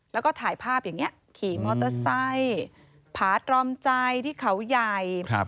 แล้วก็ถ่ายภาพอย่างนี้ขี่มอเตอร์ไซค์ผาตรอมใจที่เขาใหญ่